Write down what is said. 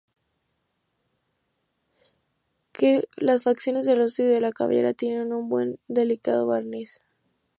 Las facciones del rostro y de la cabellera tienen un delicado barniz.